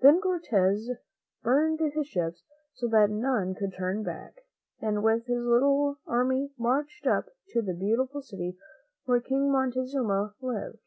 Then Cortez burned his ships so that no one could turn back, and with his little army marched up to the beautiful city where King Montezuma lived.